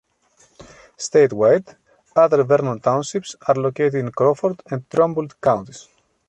Statewide, other Vernon Townships are located in Crawford and Trumbull counties.